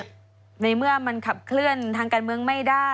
ในเมื่อมันขับเคลื่อนทางการเมืองไม่ได้